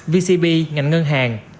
vcb ngành ngân hàng